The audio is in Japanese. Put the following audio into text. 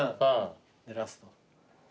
ラスト。